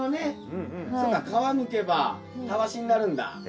皮むけばたわしになるんだ。